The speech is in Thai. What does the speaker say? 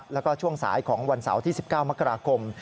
แล้วก็ช่วงสายของวันเสาร์ที่๑๙มกราคม